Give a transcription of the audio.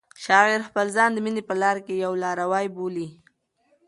شاعر خپل ځان د مینې په لاره کې یو لاروی بولي.